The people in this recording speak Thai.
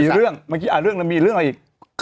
เรื่องเมื่อกี้อ่านเรื่องแล้วมีเรื่องอะไรอีก